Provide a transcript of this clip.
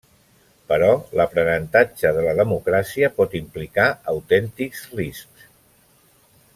Però l'aprenentatge de la democràcia pot implicar autèntics riscs.